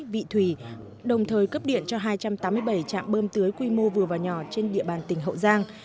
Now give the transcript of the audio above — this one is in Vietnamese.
vị thủy đồng thời cấp điện cho hai trăm tám mươi bảy trạm bơm tưới quy mô vừa và nhỏ trên địa bàn tỉnh hậu giang